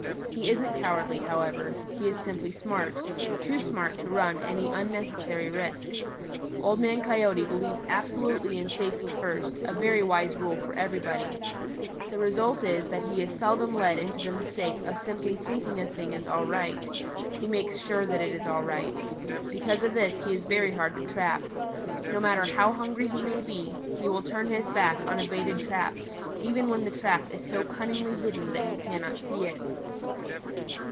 He isn't cowardly, however; he is simply smart too smart to run any unnecessary risk. Old Man Coyote believes absolutely in safety first, a very wise rule for everybody. The result is that he is seldom led into the mistake of simply thinking a thing is all right. He makes sure that it is all right. Because of this he is very hard to trap. No matter how hungry he may be, he will turn his back on a baited trap, even when the trap is so cunningly hidden that he cannot see it.